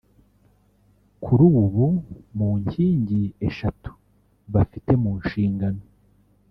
Kuri ubu mu nkingi eshatu bafite mu nshingano